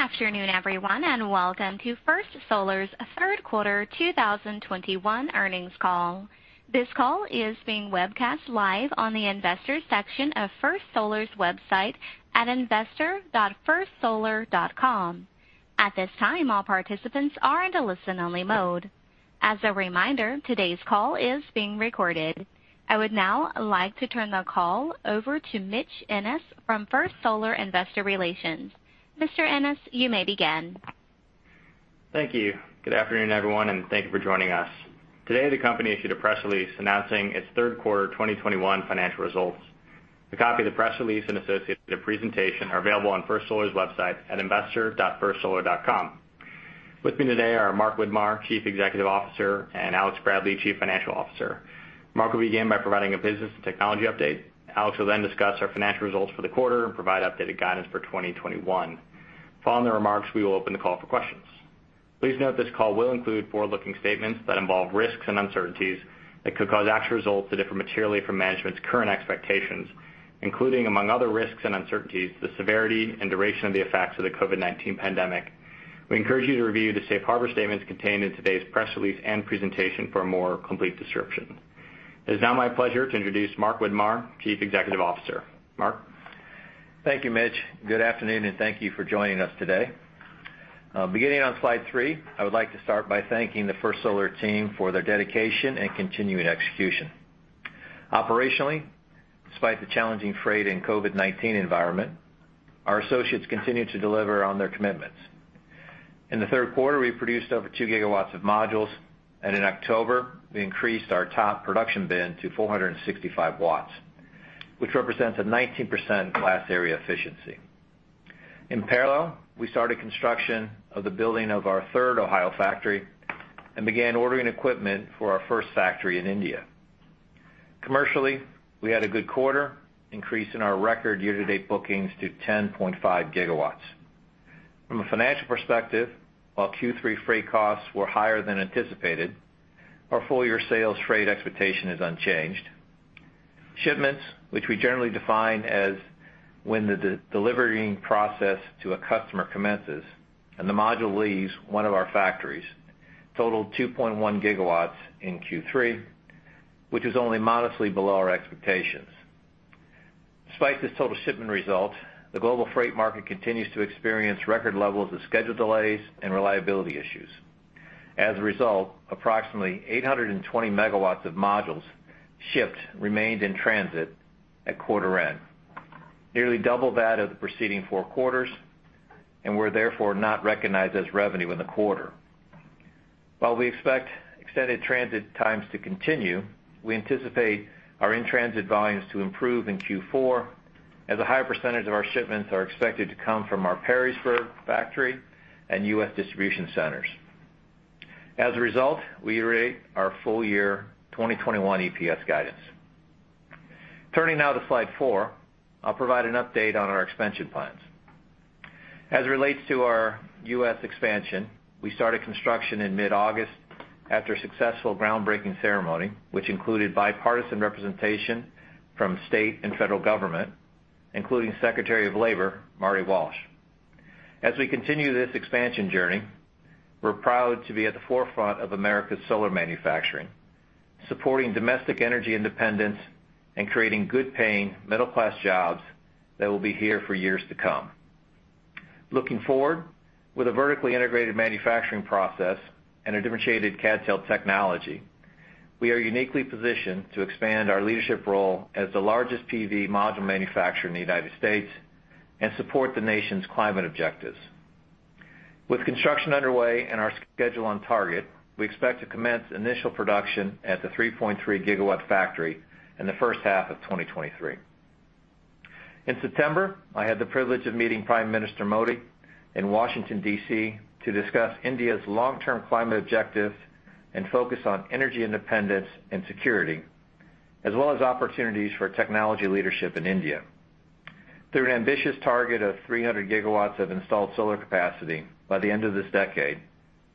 Good afternoon, everyone, and welcome to First Solar's third quarter 2021 earnings call. This call is being webcast live on the investors section of First Solar's website at investor.firstsolar.com. At this time, all participants are in a listen-only mode. As a reminder, today's call is being recorded. I would now like to turn the call over to Mitch Ennis from First Solar Investor Relations. Mr. Ennis, you may begin. Thank you. Good afternoon, everyone, and thank you for joining us. Today, the company issued a press release announcing its third quarter 2021 financial results. A copy of the press release and associated presentation are available on First Solar's website at investor.firstsolar.com. With me today are Mark Widmar, Chief Executive Officer, and Alex Bradley, Chief Financial Officer. Mark will begin by providing a business and technology update. Alex will then discuss our financial results for the quarter and provide updated guidance for 2021. Following the remarks, we will open the call for questions. Please note this call will include forward-looking statements that involve risks and uncertainties that could cause actual results to differ materially from management's current expectations, including among other risks and uncertainties, the severity and duration of the effects of the COVID-19 pandemic. We encourage you to review the safe harbor statements contained in today's press release and presentation for a more complete description. It is now my pleasure to introduce Mark Widmar, Chief Executive Officer. Mark? Thank you, Mitch. Good afternoon, and thank you for joining us today. Beginning on slide three, I would like to start by thanking the First Solar team for their dedication and continuing execution. Operationally, despite the challenging freight and COVID-19 environment, our associates continue to deliver on their commitments. In the third quarter, we produced over two gigawatts of modules, and in October, we increased our top production bin to 465 W, which represents a 19% glass area efficiency. In parallel, we started construction of the building of our third Ohio factory and began ordering equipment for our first factory in India. Commercially, we had a good quarter, increasing our record year-to-date bookings to 10.5 gigawatts. From a financial perspective, while Q3 freight costs were higher than anticipated, our full-year sales freight expectation is unchanged. Shipments, which we generally define as when the delivery process to a customer commences and the module leaves one of our factories, totaled 2.1 gigawatts in Q3, which is only modestly below our expectations. Despite this total shipment result, the global freight market continues to experience record levels of schedule delays and reliability issues. As a result, approximately 820 megawatts of modules shipped remained in transit at quarter end, nearly double that of the preceding four quarters, and were therefore not recognized as revenue in the quarter. While we expect extended transit times to continue, we anticipate our in-transit volumes to improve in Q4 as a higher percentage of our shipments are expected to come from our Perrysburg factory and U.S. distribution centers. As a result, we reiterate our full year 2021 EPS guidance. Turning now to slide four, I'll provide an update on our expansion plans. As it relates to our U.S. expansion, we started construction in mid-August after a successful groundbreaking ceremony, which included bipartisan representation from state and federal government, including Secretary of Labor Marty Walsh. As we continue this expansion journey, we're proud to be at the forefront of America's solar manufacturing, supporting domestic energy independence and creating good-paying middle-class jobs that will be here for years to come. Looking forward, with a vertically integrated manufacturing process and a differentiated CadTel technology, we are uniquely positioned to expand our leadership role as the largest PV module manufacturer in the United States and support the nation's climate objectives. With construction underway and our schedule on target, we expect to commence initial production at the 3.3 GW factory in the first half of 2023. In September, I had the privilege of meeting Prime Minister Modi in Washington, D.C. to discuss India's long-term climate objectives and focus on energy independence and security, as well as opportunities for technology leadership in India. Through an ambitious target of 300 gigawatts of installed solar capacity by the end of this decade,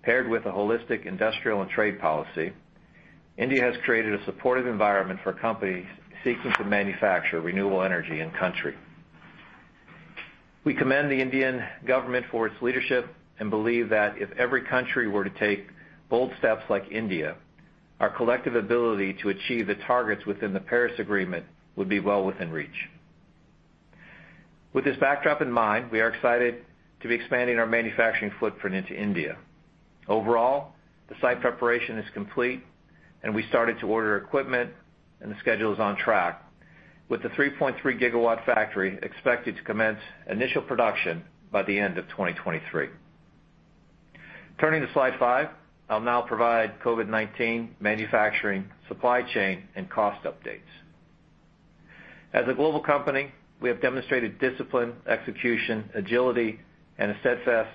paired with a holistic industrial and trade policy, India has created a supportive environment for companies seeking to manufacture renewable energy in country. We commend the Indian government for its leadership and believe that if every country were to take bold steps like India, our collective ability to achieve the targets within the Paris Agreement would be well within reach. With this backdrop in mind, we are excited to be expanding our manufacturing footprint into India. Overall, the site preparation is complete, and we started to order equipment and the schedule is on track, with the 3.3 GW factory expected to commence initial production by the end of 2023. Turning to slide five, I'll now provide COVID-19 manufacturing, supply chain, and cost updates. As a global company, we have demonstrated discipline, execution, agility, and a steadfast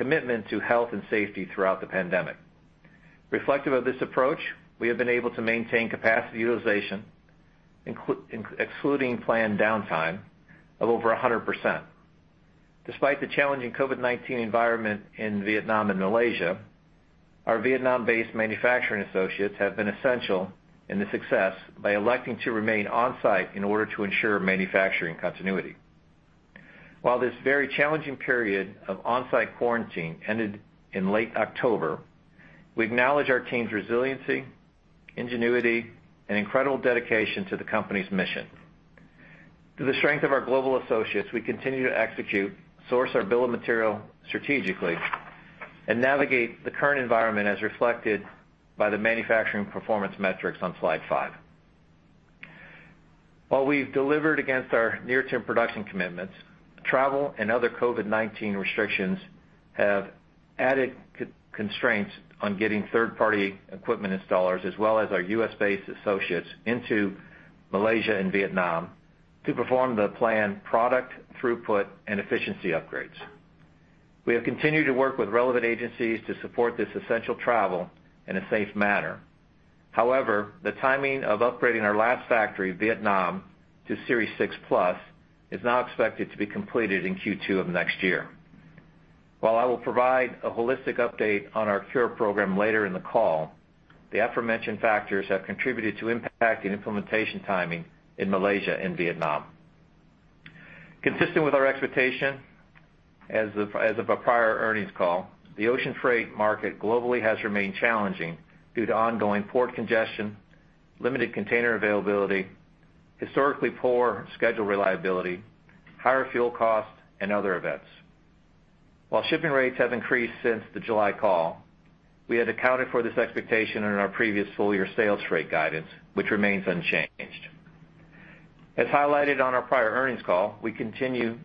commitment to health and safety throughout the pandemic. Reflective of this approach, we have been able to maintain capacity utilization, excluding planned downtime of over 100%. Despite the challenging COVID-19 environment in Vietnam and Malaysia. Our Vietnam-based manufacturing associates have been essential in the success by electing to remain on-site in order to ensure manufacturing continuity. While this very challenging period of on-site quarantine ended in late October, we acknowledge our team's resiliency, ingenuity, and incredible dedication to the company's mission. Through the strength of our global associates, we continue to execute, source our bill of material strategically, and navigate the current environment as reflected by the manufacturing performance metrics on slide five. While we've delivered against our near-term production commitments, travel and other COVID-19 restrictions have added constraints on getting third-party equipment installers as well as our U.S.-based associates into Malaysia and Vietnam to perform the planned product throughput and efficiency upgrades. We have continued to work with relevant agencies to support this essential travel in a safe manner. However, the timing of upgrading our last factory, Vietnam, to Series six Plus, is now expected to be completed in Q2 of next year. While I will provide a holistic update on our CuRe program later in the call, the aforementioned factors have contributed to impact and implementation timing in Malaysia and Vietnam. Consistnt with our expectation as of our prior earnings call, the ocean freight market globally has remained challenging due to ongoing port congestion, limited container availability, historically poor schedule reliability, higher fuel costs, and other events. While shipping rates have increased since the July call, we had accounted for this expectation in our previous full-year sales rate guidance, which remains unchanged. As highlighted on our prior earnings call, we continue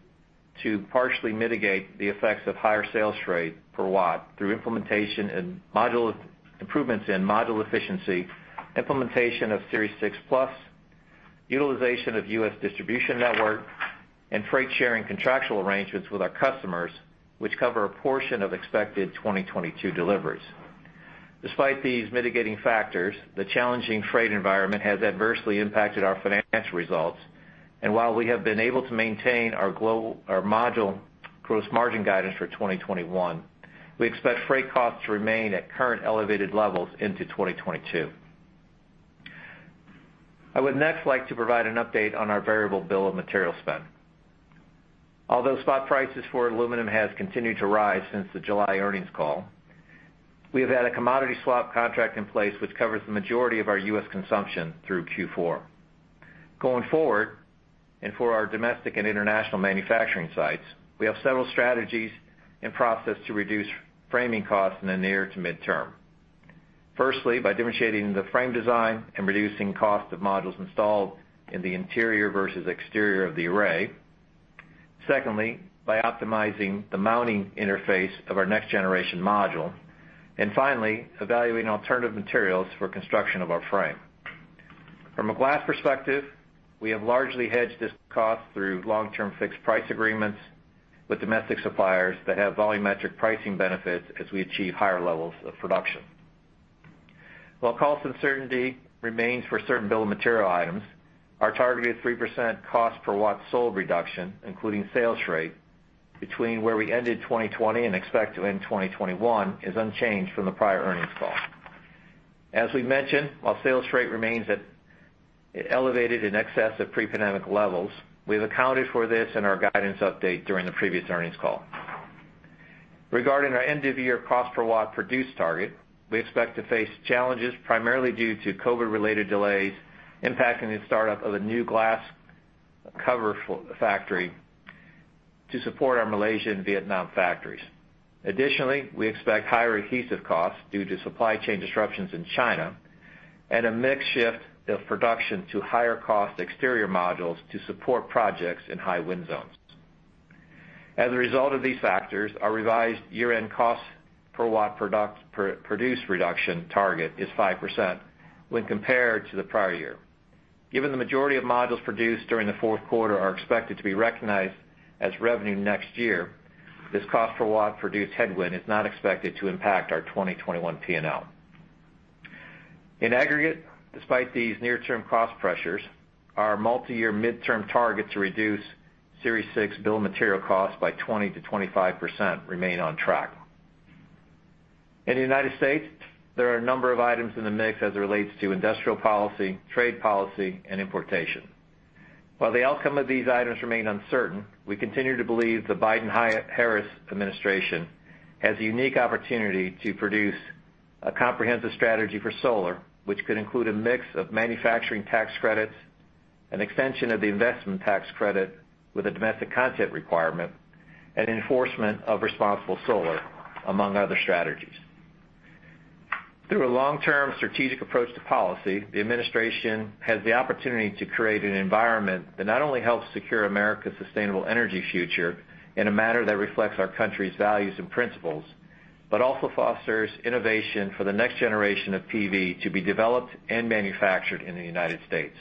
to partially mitigate the effects of higher sales rate per watt through implementation and module improvements in module efficiency, implementation of Series six Plus, utilization of U.S. distribution network, and freight sharing contractual arrangements with our customers, which cover a portion of expected 2022 deliveries. Despite these mitigating factors, the challenging freight environment has adversely impacted our financial results, and while we have been able to maintain our module gross margin guidance for 2021, we expect freight costs to remain at current elevated levels into 2022. I would next like to provide an update on our variable bill of material spend. Although spot prices for aluminum has continued to rise since the July earnings call, we have had a commodity swap contract in place which covers the majority of our U.S. consumption through Q4. Going forward, and for our domestic and international manufacturing sites, we have several strategies in process to reduce framing costs in the near to mid-term. Firstly, by differentiating the frame design and reducing cost of modules installed in the interior versus exterior of the array. Secondly, by optimizing the mounting interface of our next-generation module. Finally, evaluating alternative materials for construction of our frame. From a glass perspective, we have largely hedged this cost through long-term fixed price agreements with domestic suppliers that have volumetric pricing benefits as we achieve higher levels of production. While cost uncertainty remains for certain bill of material items, our targeted 3% cost per watt sold reduction, including sales rate, between where we ended 2020 and expect to end 2021, is unchanged from the prior earnings call. As we mentioned, while sales rate remains elevated in excess of pre-pandemic levels, we have accounted for this in our guidance update during the previous earnings call. Regarding our end-of-year cost per watt produced target, we expect to face challenges primarily due to COVID-19-related delays impacting the start-up of a new glass cover float factory to support our Malaysia and Vietnam factories. Additionally, we expect higher adhesive costs due to supply chain disruptions in China and a mix shift of production to higher-cost exterior modules to support projects in high wind zones. As a result of these factors, our revised year-end cost per watt produced reduction target is 5% when compared to the prior year. Given the majority of modules produced during the fourth quarter are expected to be recognized as revenue next year, this cost per watt produced headwind is not expected to impact our 2021 P&L. In aggregate, despite these near-term cost pressures, our multiyear midterm target to reduce Series six bill of material costs by 20%-25% remain on track. In the United States, there are a number of items in the mix as it relates to industrial policy, trade policy, and importation. While the outcome of these items remain uncertain, we continue to believe the Biden-Harris administration has a unique opportunity to produce a comprehensive strategy for solar, which could include a mix of manufacturing tax credits, an extension of the investment tax credit with a domestic content requirement, and enforcement of responsible solar, among other strategies. Through a long-term strategic approach to policy, the administration has the opportunity to create an environment that not only helps secure America's sustainable energy future in a manner that reflects our country's values and principles, but also fosters innovation for the next generation of PV to be developed and manufactured in the United States.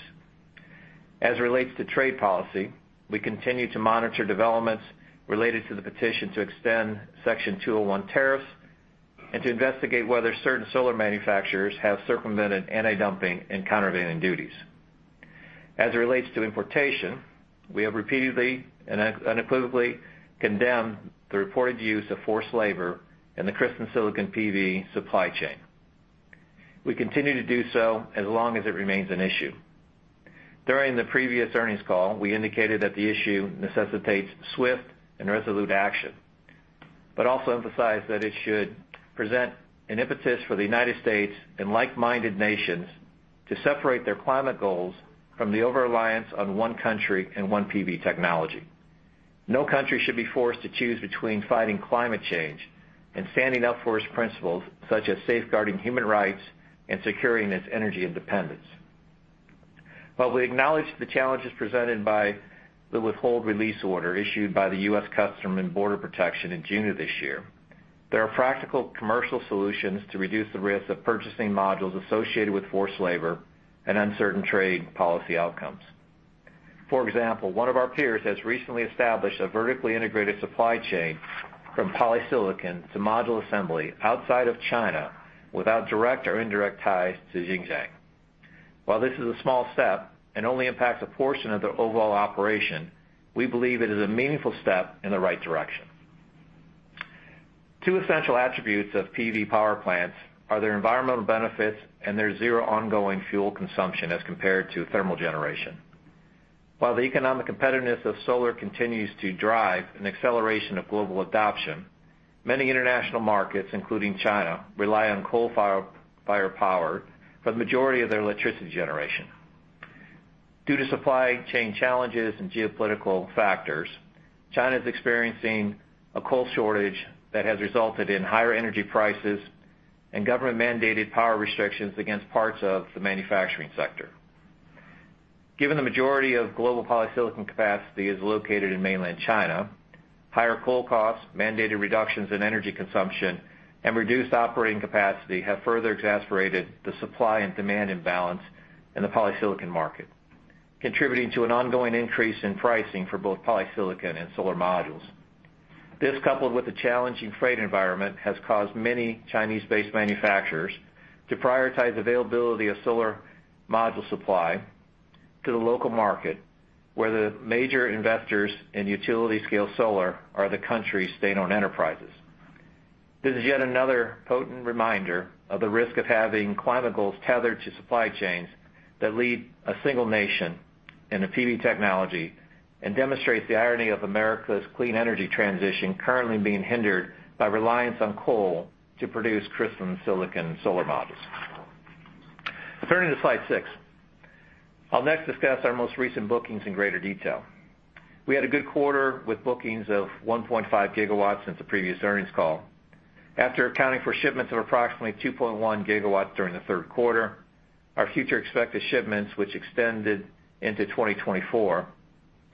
As it relates to trade policy, we continue to monitor developments related to the petition to extend Section 201 tariffs and to investigate whether certain solar manufacturers have circumvented antidumping and countervailing duties. As it relates to importation, we have repeatedly and unequivocally condemned the reported use of forced labor in the crystalline silicon PV supply chain. We continue to do so as long as it remains an issue. During the previous earnings call, we indicated that the issue necessitates swift and resolute action, but also emphasized that it should present an impetus for the United States and like-minded nations to separate their climate goals from the over-reliance on one country and one PV technology. No country should be forced to choose between fighting climate change and standing up for its principles, such as safeguarding human rights and securing its energy independence. While we acknowledge the challenges presented by the Withhold Release Order issued by the U.S. Customs and Border Protection in June of this year, there are practical commercial solutions to reduce the risk of purchasing modules associated with forced labor and uncertain trade policy outcomes. For example, one of our peers has recently established a vertically integrated supply chain from polysilicon to module assembly outside of China without direct or indirect ties to Xinjiang. While this is a small step and only impacts a portion of their overall operation, we believe it is a meaningful step in the right direction. Two essential attributes of PV power plants are their environmental benefits and their zero ongoing fuel consumption as compared to thermal generation. While the economic competitiveness of solar continues to drive an acceleration of global adoption, many international markets, including China, rely on coal-fired power for the majority of their electricity generation. Due to supply chain challenges and geopolitical factors, China is experiencing a coal shortage that has resulted in higher energy prices and government-mandated power restrictions against parts of the manufacturing sector. Given the majority of global polysilicon capacity is located in mainland China, higher coal costs, mandated reductions in energy consumption, and reduced operating capacity have further exacerbated the supply and demand imbalance in the polysilicon market, contributing to an ongoing increase in pricing for both polysilicon and solar modules. This, coupled with the challenging freight environment, has caused many Chinese-based manufacturers to prioritize availability of solar module supply to the local market, where the major investors in utility-scale solar are the country's state-owned enterprises. This is yet another potent reminder of the risk of having climate goals tethered to supply chains that lead a single nation in a PV technology and demonstrates the irony of America's clean energy transition currently being hindered by reliance on coal to produce crystalline silicon solar modules. Turning to slide six. I'll next discuss our most recent bookings in greater detail. We had a good quarter with bookings of 1.5 gigawatts since the previous earnings call. After accounting for shipments of approximately 2.1 gigawatts during the third quarter, our future expected shipments, which extended into 2024,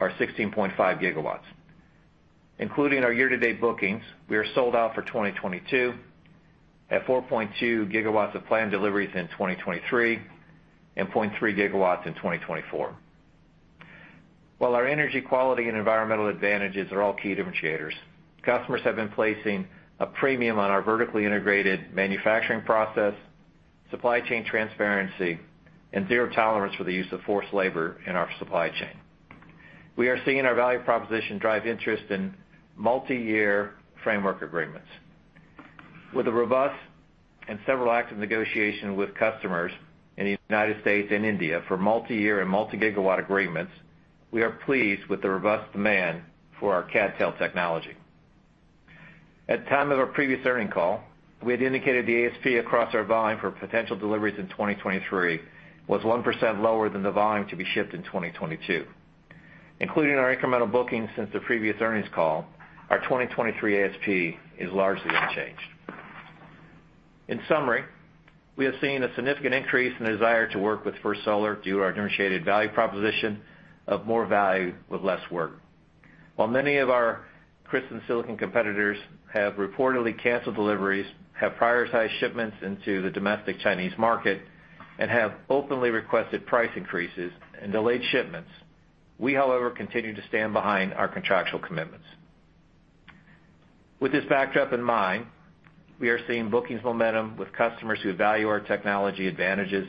are 16.5 gigawatts. Including our year-to-date bookings, we are sold out for 2022 at 4.2 gigawatts of planned deliveries in 2023 and 0.3 gigawatts in 2024. While our energy quality and environmental advantages are all key differentiators, customers have been placing a premium on our vertically integrated manufacturing process, supply chain transparency, and zero tolerance for the use of forced labor in our supply chain. We are seeing our value proposition drive interest in multiyear framework agreements. With robust and several active negotiations with customers in the United States and India for multiyear and multigigawatt agreements, we are pleased with the robust demand for our CadTel technology. At the time of our previous earnings call, we had indicated the ASP across our volume for potential deliveries in 2023 was 1% lower than the volume to be shipped in 2022. Including our incremental bookings since the previous earnings call, our 2023 ASP is largely unchanged. In summary, we have seen a significant increase in the desire to work with First Solar due to our differentiated value proposition of more value with less work. While many of our crystalline silicon competitors have reportedly canceled deliveries, have prioritized shipments into the domestic Chinese market, and have openly requested price increases and delayed shipments, we, however, continue to stand behind our contractual commitments. With this backdrop in mind, we are seeing bookings momentum with customers who value our technology advantages,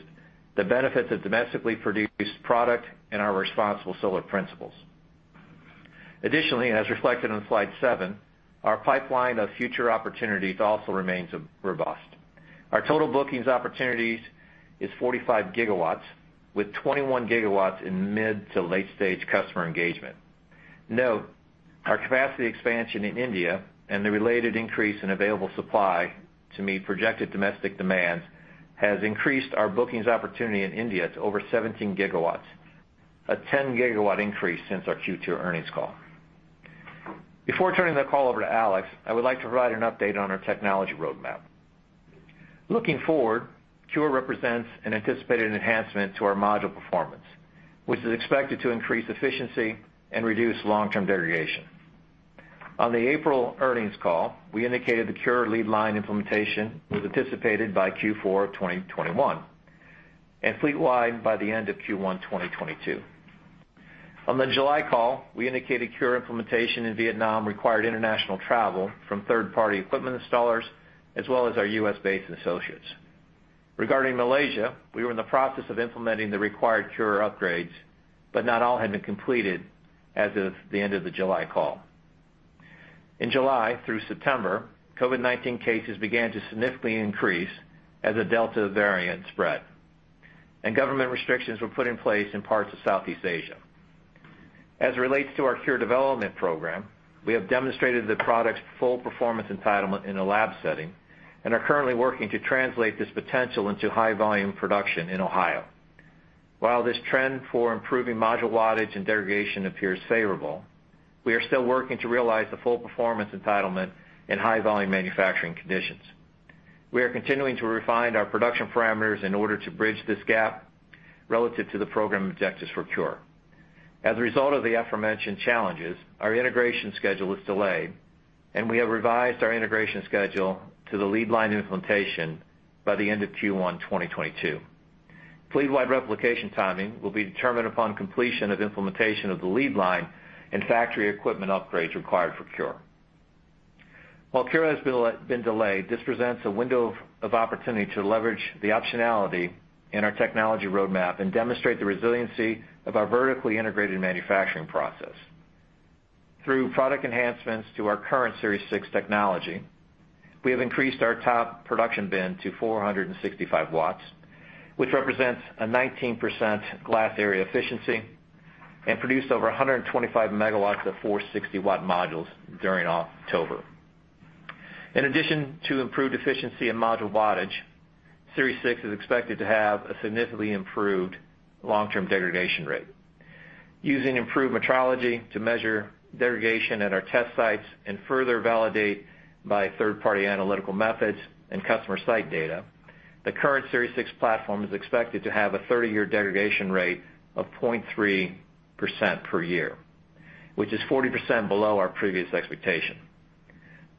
the benefits of domestically produced product, and our responsible solar principles. Additionally, as reflected on slide seven, our pipeline of future opportunities also remains robust. Our total bookings opportunities is 45 GW, with 21 GW in mid- to late-stage customer engagement. Note our capacity expansion in India and the related increase in available supply to meet projected domestic demands has increased our bookings opportunity in India to over 17 gigawatts, a 10-gigawatt increase since our Q2 earnings call. Before turning the call over to Alex, I would like to provide an update on our technology roadmap. Looking forward, CuRe represents an anticipated enhancement to our module performance, which is expected to increase efficiency and reduce long-term degradation. On the April earnings call, we indicated the CuRe lead line implementation was anticipated by Q4 2021 and fleet wide by the end of Q1 2022. On the July call, we indicated CuRe implementation in Vietnam required international travel from third-party equipment installers as well as our U.S.-based associates. Regarding Malaysia, we were in the process of implementing the required CuRe upgrades, but not all had been completed as of the end of the July call. In July through September, COVID-19 cases began to significantly increase as a Delta variant spread, and government restrictions were put in place in parts of Southeast Asia. As it relates to our CuRe development program, we have demonstrated the product's full performance entitlement in a lab setting, and are currently working to translate this potential into high volume production in Ohio. While this trend for improving module wattage and degradation appears favorable, we are still working to realize the full performance entitlement in high volume manufacturing conditions. We are continuing to refine our production parameters in order to bridge this gap relative to the program objectives for CuRe. As a result of the aforementioned challenges, our integration schedule is delayed, and we have revised our integration schedule to the lead line implementation by the end of Q1 2022. Fleet-wide replication timing will be determined upon completion of implementation of the lead line and factory equipment upgrades required for CuRe. While CuRe has been delayed, this presents a window of opportunity to leverage the optionality in our technology roadmap and demonstrate the resiliency of our vertically integrated manufacturing process. Through product enhancements to our current Series six technology, we have increased our top production bin to 465 watts, which represents a 19% glass area efficiency and produced over 125 megawatts of 460-watt modules during October. In addition to improved efficiency and module wattage, Series six is expected to have a significantly improved long-term degradation rate. Using improved metrology to measure degradation at our test sites and further validate by third-party analytical methods and customer site data, the current Series six platform is expected to have a 30-year degradation rate of 0.3% per year, which is 40% below our previous expectation.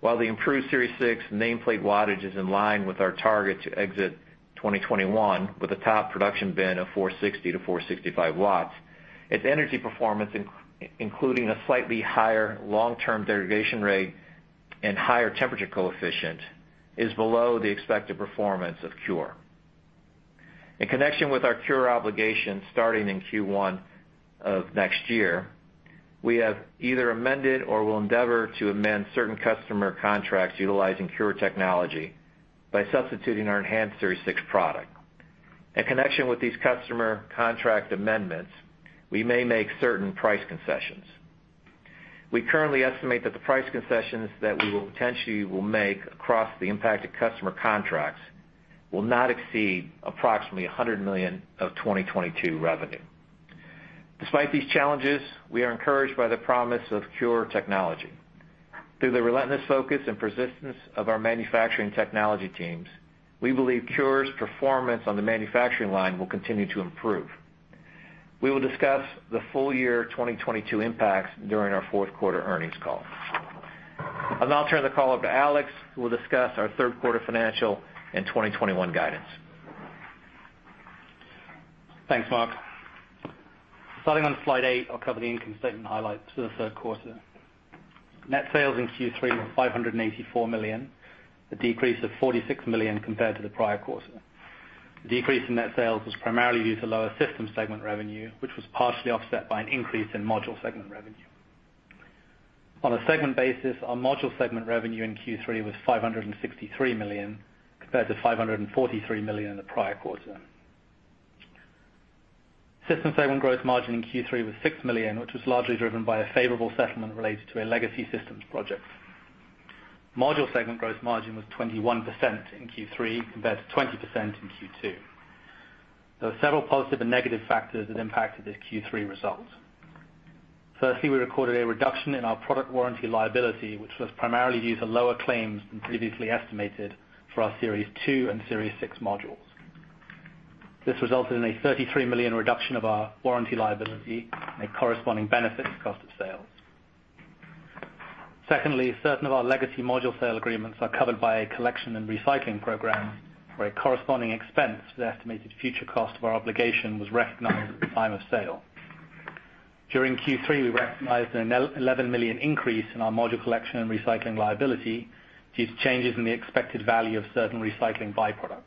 While the improved Series six nameplate wattage is in line with our target to exit 2021 with a top production bin of 460-465 watts, its energy performance including a slightly higher long-term degradation rate and higher temperature coefficient, is below the expected performance of CuRe. In connection with our CuRe obligations starting in Q1 of next year, we have either amended or will endeavor to amend certain customer contracts utilizing CuRe technology by substituting our enhanced Series six product. In connection with these customer contract amendments, we may make certain price concessions. We currently estimate that the price concessions that we potentially will make across the impacted customer contracts will not exceed approximately $100 million of 2022 revenue. Despite these challenges, we are encouraged by the promise of CuRe technology. Through the relentless focus and persistence of our manufacturing technology teams, we believe CuRe's performance on the manufacturing line will continue to improve. We will discuss the full year 2022 impacts during our fourth quarter earnings call. I'll now turn the call over to Alex, who will discuss our third quarter financial and 2021 guidance. Thanks, Mark. Starting on slide eight, I'll cover the income statement highlights for the third quarter. Net sales in Q3 were $584 million, a decrease of $46 million compared to the prior quarter. The decrease in net sales was primarily due to lower System segment revenue, which was partially offset by an increase in Module segment revenue. On a segment basis, our Module segment revenue in Q3 was $563 million, compared to $543 million in the prior quarter. System segment gross margin in Q3 was $6 million, which was largely driven by a favorable settlement related to a legacy systems project. Module segment gross margin was 21% in Q3, compared to 20% in Q2. There were several positive and negative factors that impacted the Q3 results. Firstly, we recorded a reduction in our product warranty liability, which was primarily due to lower claims than previously estimated for our Series two and Series six modules. This resulted in a $33 million reduction of our warranty liability and a corresponding benefit to cost of sales. Secondly, certain of our legacy module sale agreements are covered by a collection and recycling program, where a corresponding expense for the estimated future cost of our obligation was recognized at the time of sale. During Q3, we recognized an $11 million increase in our module collection and recycling liability due to changes in the expected value of certain recycling byproducts.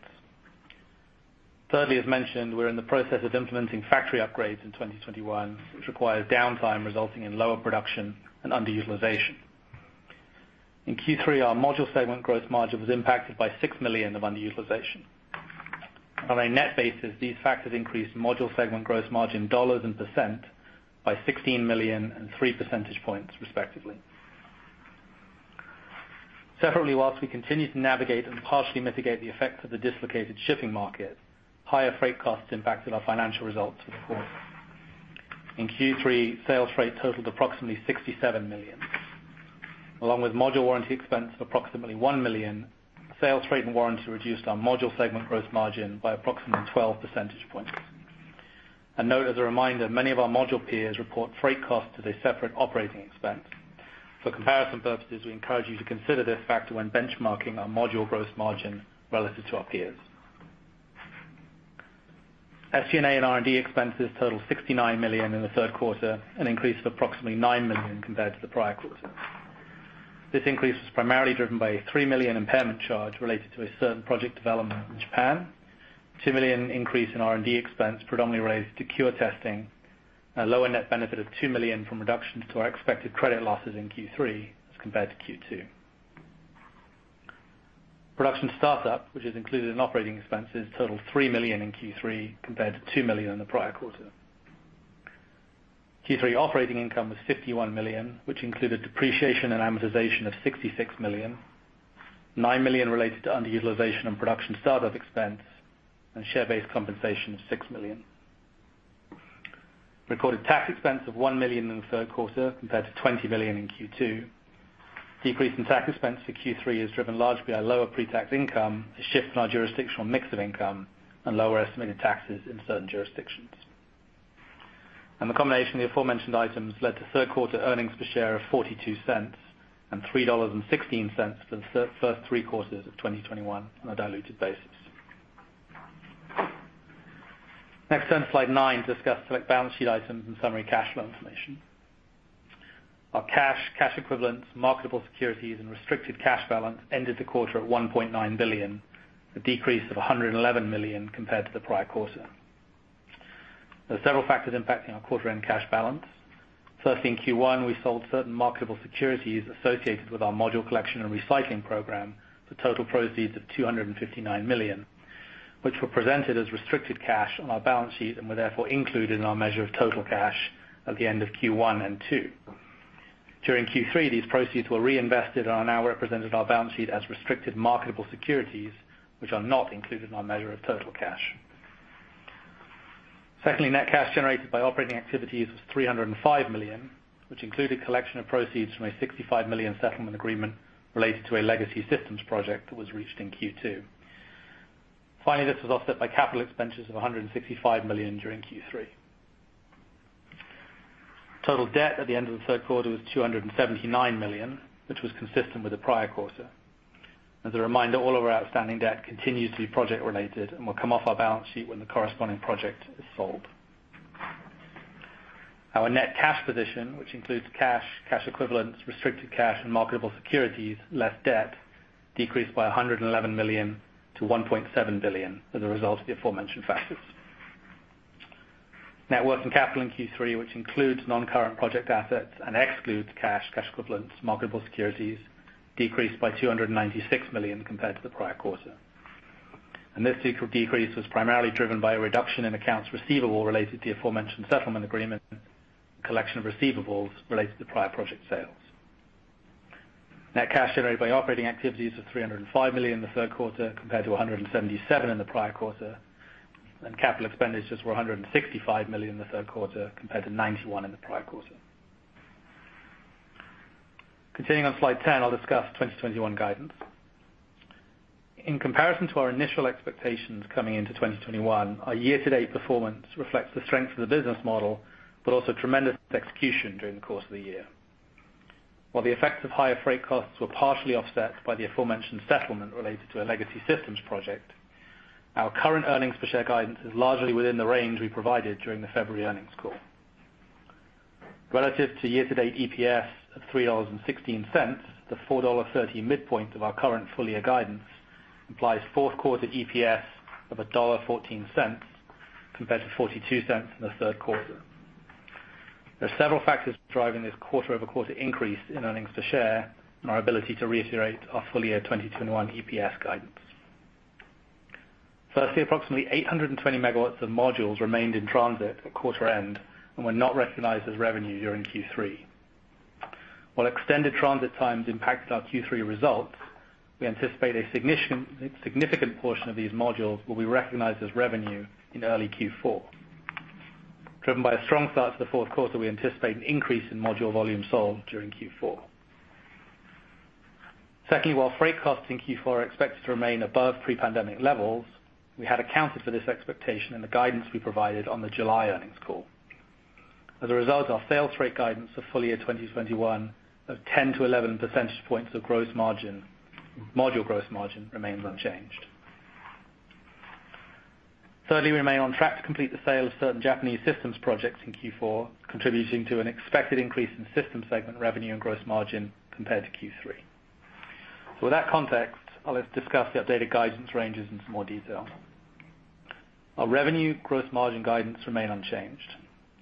Thirdly, as mentioned, we're in the process of implementing factory upgrades in 2021, which requires downtime resulting in lower production and underutilization. In Q3, our module segment gross margin was impacted by $6 million of underutilization. On a net basis, these factors increased module segment gross margin dollars and percent by $16 million and three percentage points, respectively. Separately, while we continue to navigate and partially mitigate the effects of the dislocated shipping market, higher freight costs impacted our financial results for the quarter. In Q3, sales freight totaled approximately $67 million. Along with module warranty expense of approximately $1 million, sales freight and warranty reduced our module segment gross margin by approximately 12 percentage points. Note, as a reminder, many of our module peers report freight costs as a separate operating expense. For comparison purposes, we encourage you to consider this factor when benchmarking our module gross margin relative to our peers. SG&A and R&D expenses totaled $69 million in the third quarter, an increase of approximately $9 million compared to the prior quarter. This increase was primarily driven by a $3 million impairment charge related to a certain project development in Japan. $2 million increase in R&D expense predominantly related to CuRe testing, and a lower net benefit of $2 million from reductions to our expected credit losses in Q3 as compared to Q2. Production startup, which is included in operating expenses, totaled $3 million in Q3 compared to $2 million in the prior quarter. Q3 operating income was $51 million, which included depreciation and amortization of $66 million, $9 million related to underutilization and production startup expense, and share-based compensation of $6 million. Recorded tax expense of $1 million in the third quarter compared to $20 million in Q2. Decrease in tax expense for Q3 is driven largely by lower pre-tax income, a shift in our jurisdictional mix of income, and lower estimated taxes in certain jurisdictions. The combination of the aforementioned items led to third quarter earnings per share of $0.42 and $3.16 for the first three quarters of 2021 on a diluted basis. Next slide nine, discusses select balance sheet items and summary cash flow information. Our cash equivalents, marketable securities, and restricted cash balance ended the quarter at $1.9 billion, a decrease of $111 million compared to the prior quarter. There are several factors impacting our quarter end cash balance. First, in Q1, we sold certain marketable securities associated with our module collection and recycling program for total proceeds of $259 million, which were presented as restricted cash on our balance sheet and were therefore included in our measure of total cash at the end of Q1 and Q2. During Q3, these proceeds were reinvested and are now represented on our balance sheet as restricted marketable securities, which are not included in our measure of total cash. Secondly, net cash generated by operating activities was $305 million, which included collection of proceeds from a $65 million settlement agreement related to a legacy systems project that was reached in Q2. Finally, this was offset by capital expenses of $165 million during Q3. Total debt at the end of the third quarter was $279 million, which was consistent with the prior quarter. As a reminder, all of our outstanding debt continues to be project related and will come off our balance sheet when the corresponding project is sold. Our net cash position, which includes cash equivalents, restricted cash, and marketable securities, less debt, decreased by $111 million to $1.7 billion as a result of the aforementioned factors. Net working capital in Q3, which includes non-current project assets and excludes cash equivalents, marketable securities, decreased by $296 million compared to the prior quarter. This decrease was primarily driven by a reduction in accounts receivable related to the aforementioned settlement agreement, collection of receivables related to prior project sales. Net cash generated by operating activities was $305 million in the third quarter compared to $177 million in the prior quarter, and capital expenditures were $165 million in the third quarter compared to $91 million in the prior quarter. Continuing on slide 10, I'll discuss 2021 guidance. In comparison to our initial expectations coming into 2021, our year-to-date performance reflects the strength of the business model, but also tremendous execution during the course of the year. While the effects of higher freight costs were partially offset by the aforementioned settlement related to a legacy systems project, our current earnings per share guidance is largely within the range we provided during the February earnings call. Relative to year-to-date EPS of $3.16, the $4.30 midpoint of our current full-year guidance implies fourth quarter EPS of $1.14 compared to $0.42 in the third quarter. There are several factors driving this quarter-over-quarter increase in earnings per share and our ability to reiterate our full-year 2021 EPS guidance. Firstly, approximately 820 MW of modules remained in transit at quarter end and were not recognized as revenue during Q3. While extended transit times impacted our Q3 results, we anticipate a significant portion of these modules will be recognized as revenue in early Q4. Driven by a strong start to the fourth quarter, we anticipate an increase in module volume sold during Q4. Secondly, while freight costs in Q4 are expected to remain above pre-pandemic levels, we had accounted for this expectation in the guidance we provided on the July earnings call. As a result, our sales rate guidance for full year 2021 of 10-11 percentage points of module gross margin remains unchanged. Thirdly, we remain on track to complete the sale of certain Japanese systems projects in Q4, contributing to an expected increase in systems segment revenue and gross margin compared to Q3. With that context, I'll discuss the updated guidance ranges in some more detail. Our revenue and gross margin guidance remains unchanged,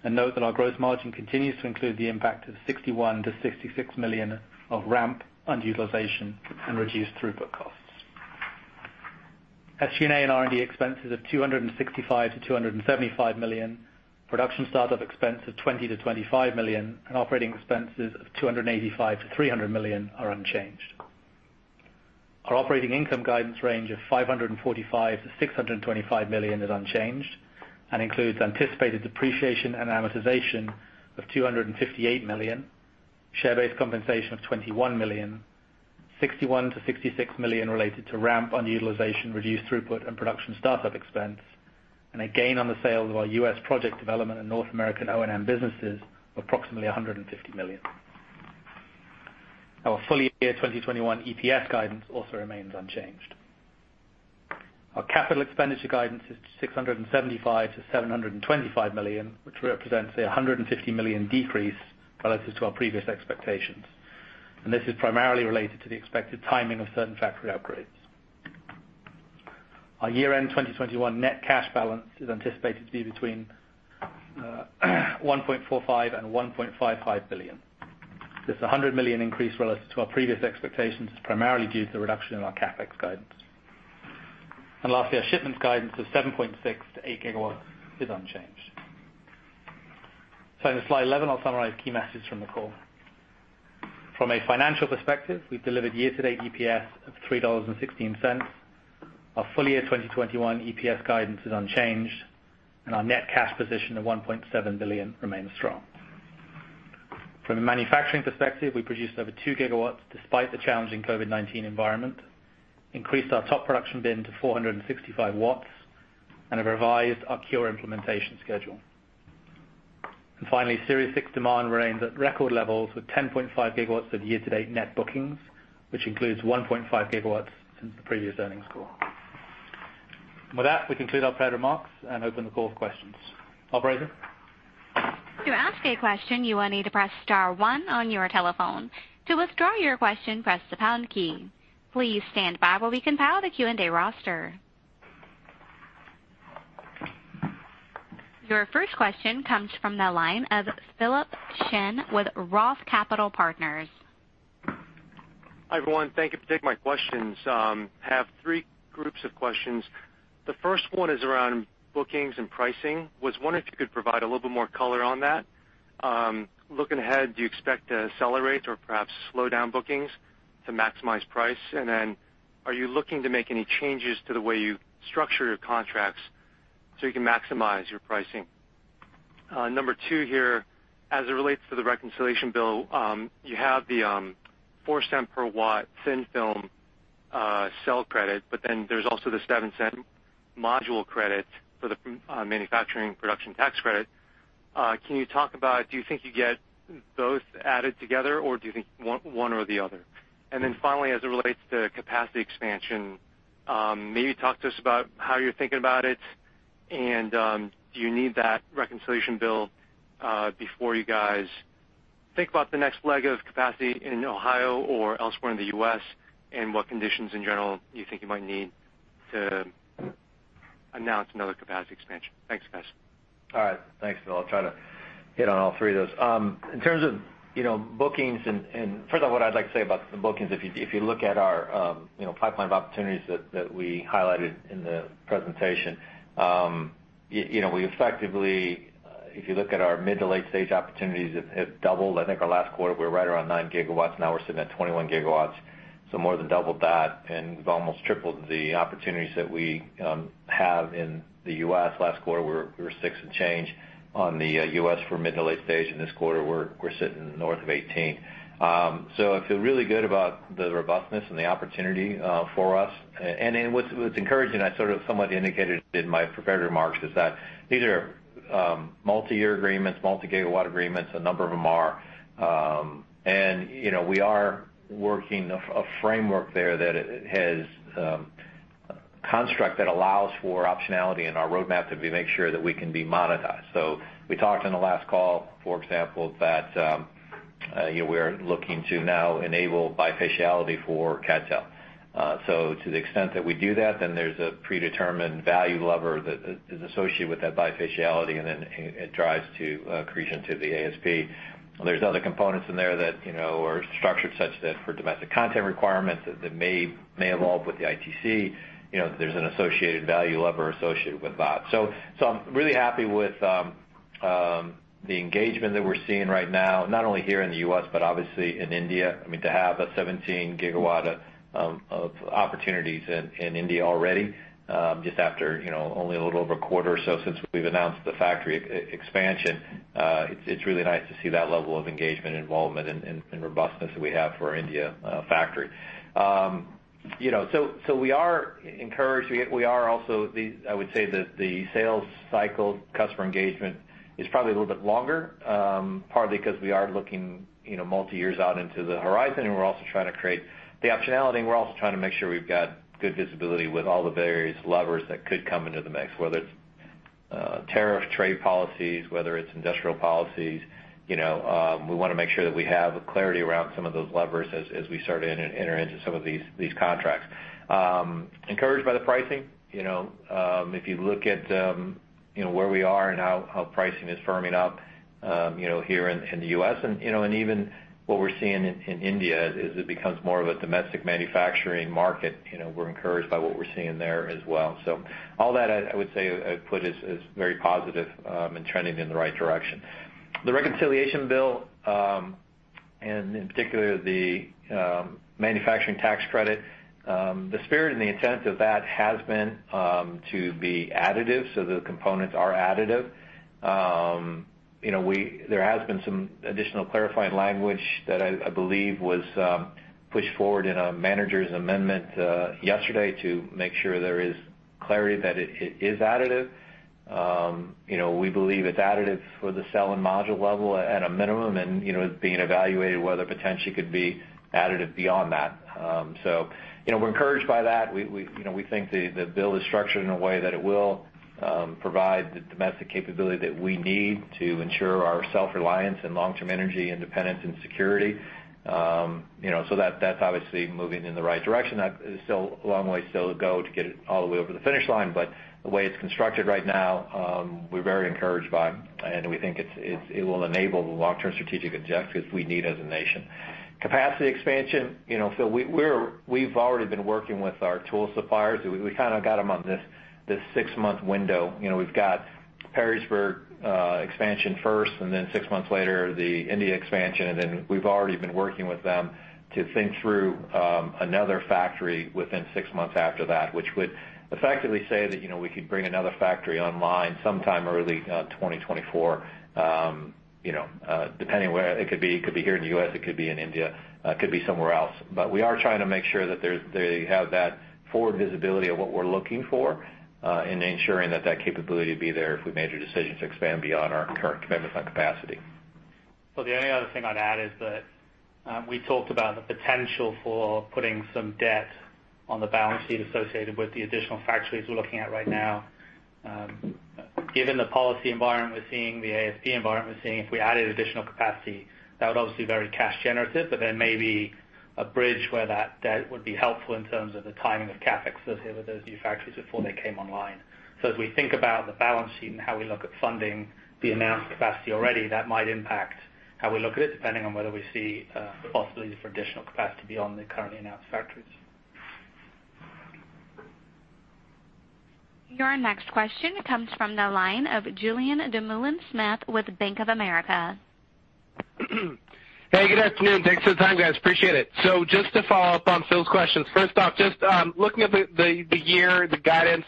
and note that our gross margin continues to include the impact of $61 million-$66 million of ramp underutilization and reduced throughput costs. SG&A and R&D expenses of $265 million-$275 million, production startup expense of $20 million-$25 million, and operating expenses of $285 million-$300 million are unchanged. Our operating income guidance range of $545 million-$625 million is unchanged and includes anticipated depreciation and amortization of $258 million, share-based compensation of $21 million, $61 million-$66 million related to ramp on utilization, reduced throughput and production startup expense, and a gain on the sale of our U.S. project development and North American O&M businesses of approximately $150 million. Our full year 2021 EPS guidance also remains unchanged. Our CapEx guidance is $675 million-$725 million, which represents a $150 million decrease relative to our previous expectations. This is primarily related to the expected timing of certain factory upgrades. Our year-end 2021 net cash balance is anticipated to be between 1.45 and 1.55 billion. This is a $100 million increase relative to our previous expectations, primarily due to the reduction in our CapEx guidance. Lastly, our shipments guidance of 7.6-8 GW is unchanged. In slide 11, I'll summarize key messages from the call. From a financial perspective, we've delivered year-to-date EPS of $3.16. Our full year 2021 EPS guidance is unchanged, and our net cash position of $1.7 billion remains strong. From a manufacturing perspective, we produced over two gigawatts despite the challenging COVID-19 environment, increased our top production bin to 465 watts and have revised our CuRe implementation schedule. Finally, Series six demand remains at record levels with 10.5 gigawatts of year-to-date net bookings, which includes 1.5 gigawatts since the previous earnings call. With that, we conclude our prepared remarks and open the call for questions. Operator? To ask a question, you will need to press star one on your telephone. To withdraw your question, press the pound key. Please stand by while we compile the Q&A roster. Your first question comes from the line of Philip Shen with Roth Capital Partners. Hi, everyone. Thank you for taking my questions. I have three groups of questions. The first one is around bookings and pricing. Was wondering if you could provide a little bit more color on that. Looking ahead, do you expect to accelerate or perhaps slow down bookings to maximize price? And then are you looking to make any changes to the way you structure your contracts so you can maximize your pricing? Number two here, as it relates to the reconciliation bill, you have the $0.04 per watt thin-film cell credit, but then there's also the $0.07 module credit for the manufacturing production tax credit. Can you talk about, do you think you get both added together, or do you think one or the other? Finally, as it relates to capacity expansion, maybe talk to us about how you're thinking about it, and do you need that reconciliation bill before you guys think about the next leg of capacity in Ohio or elsewhere in the U.S., and what conditions in general you think you might need to announce another capacity expansion? Thanks, guys. All right. Thanks, Phil. I'll try to hit on all three of those. In terms of, you know, bookings and first of all, what I'd like to say about the bookings, if you look at our, you know, pipeline of opportunities that we highlighted in the presentation, you know, we effectively, if you look at our mid to late stage opportunities, have doubled. I think our last quarter, we were right around nine gigawatts, now we're sitting at 21 gigawatts, so more than doubled that. We've almost tripled the opportunities that we have in the U.S. Last quarter, we were six and change on the U.S. for mid to late stage, and this quarter, we're sitting north of 18. So I feel really good about the robustness and the opportunity for us. What's encouraging, I sort of somewhat indicated in my prepared remarks, is that these are multiyear agreements, multi-gigawatt agreements, a number of them are. You know, we are working a framework there that has a construct that allows for optionality in our roadmap to make sure that we can be monetized. We talked on the last call, for example, that you know, we're looking to now enable bifaciality for CadTel. To the extent that we do that, then there's a predetermined value lever that is associated with that bifaciality, and then it drives to accretion to the ASP. There's other components in there that, you know, are structured such that for domestic content requirements that may evolve with the ITC. You know, there's an associated value lever associated with that. I'm really happy with the engagement that we're seeing right now, not only here in the U.S., but obviously in India. I mean, to have 17 gigawatts of opportunities in India already, just after, you know, only a little over a quarter or so since we've announced the factory expansion, it's really nice to see that level of engagement, involvement and robustness that we have for our India factory. You know, we are encouraged. I would say the sales cycle customer engagement is probably a little bit longer, partly 'cause we are looking, you know, multi years out into the horizon, and we're also trying to create the optionality, and we're also trying to make sure we've got good visibility with all the various levers that could come into the mix, whether it's tariff, trade policies, whether it's industrial policies. You know, we wanna make sure that we have clarity around some of those levers as we start to enter into some of these contracts. Encouraged by the pricing. You know, if you look at, you know, where we are and how pricing is firming up, you know, here in the U.S. and, you know, and even what we're seeing in India, as it becomes more of a domestic manufacturing market, you know, we're encouraged by what we're seeing there as well. All that I would say I'd put as very positive and trending in the right direction. The reconciliation bill and in particular the manufacturing tax credit, the spirit and the intent of that has been to be additive, so the components are additive. You know, there has been some additional clarifying language that I believe was pushed forward in a manager's amendment yesterday to make sure there is clarity that it is additive. You know, we believe it's additive for the cell and module level at a minimum, and you know, it's being evaluated whether potentially could be additive beyond that. You know, we're encouraged by that. We you know, we think the bill is structured in a way that it will provide the domestic capability that we need to ensure our self-reliance and long-term energy independence and security. You know, that's obviously moving in the right direction. That is still a long way to go to get it all the way over the finish line, but the way it's constructed right now, we're very encouraged by it, and we think it will enable the long-term strategic objectives we need as a nation. Capacity expansion, you know, Phil, we've already been working with our tool suppliers. We kind of got them on this six-month window. You know, we've got Perrysburg expansion first, and then six months later, the India expansion. Then we've already been working with them to think through another factory within six months after that, which would effectively say that, you know, we could bring another factory online sometime early 2024, you know, depending where it could be. It could be here in the U.S., it could be in India, it could be somewhere else. We are trying to make sure that they have that forward visibility of what we're looking for, in ensuring that that capability would be there if we made the decision to expand beyond our current commitments on capacity. The only other thing I'd add is that we talked about the potential for putting some debt on the balance sheet associated with the additional factories we're looking at right now. Given the policy environment we're seeing, the ASP environment we're seeing, if we added additional capacity, that would obviously be very cash generative. But there may be a bridge where that debt would be helpful in terms of the timing of CapEx associated with those new factories before they came online. As we think about the balance sheet and how we look at funding the announced capacity already, that might impact how we look at it, depending on whether we see the possibility for additional capacity beyond the currently announced factories. Your next question comes from the line of Julien Dumoulin-Smith with Bank of America. Hey, good afternoon. Thanks for the time, guys. Appreciate it. Just to follow up on Phil's questions. First off, looking at the year, the guidance,